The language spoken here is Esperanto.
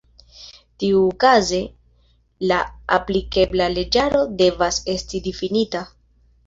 Tiuokaze la aplikebla leĝaro devas esti difinita.